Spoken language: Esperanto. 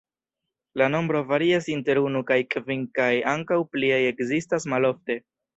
La nombro varias inter unu kaj kvin kaj ankaŭ pliaj ekzistas malofte.